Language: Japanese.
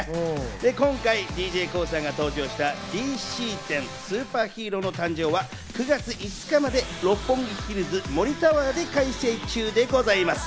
今回、ＤＪＫＯＯさんが登場した「ＤＣ展スーパーヒーローの誕生」は９月５日まで、六本木ヒルズ森タワーで開催中でございます。